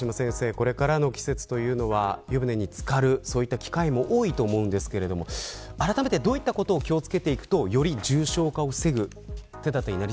これからの季節というのは湯船に浸かる機会も多いと思うんですがあらためてどういったことを気を付けていくとより重症化を防ぐ